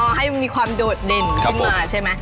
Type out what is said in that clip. อ๋อให้มีความโดดเด่นดูมาใช่ไหม